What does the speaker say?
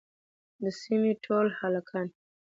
د سيمې ټول هلکان